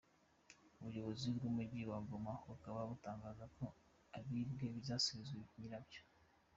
Ubuyobozi bw’Umujyi wa Goma bukaba butangaza ko ibyibwe bizasubizwa nyirabyo.